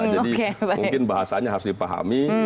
jadi mungkin bahasanya harus dipahami